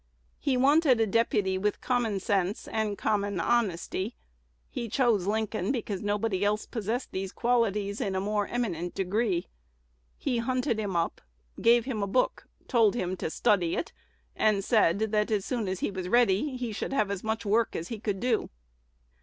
He wanted a deputy with common sense and common honesty: he chose Lincoln, because nobody else possessed these qualities in a more eminent degree. He hunted him up; gave him a book; told him to study it, and said, that, as soon as he was ready, he should have as much work as he could do.